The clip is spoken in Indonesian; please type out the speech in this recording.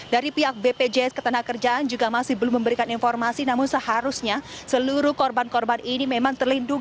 dari pihak bpjs ketenagakerjaan juga masih belum memberikan informasi namun seharusnya seluruh korban korban ini memang terlindung